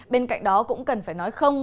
bên cạnh đó cũng cần phải nói không